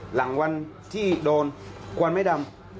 หลังวันที่โดนควันไม่ดำ